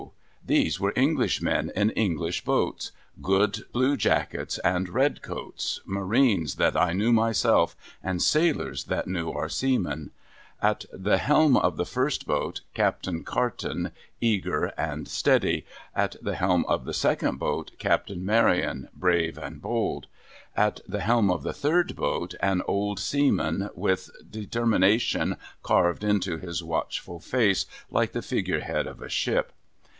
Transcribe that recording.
These were English men in English boats — good blue jackets and red coats — marines that I knew myself, and sailors that knew our seamen ! At the hehn of the first boat. Captain Carton, eager and steady. At the helm of the second boat. Captain Maryon, brave and bold. At the helm of the third boat, an old seaman, with determination carved into his watchful face, like the figure head of a ship.